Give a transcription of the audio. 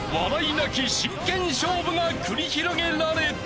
なき真剣勝負が繰り広げられた］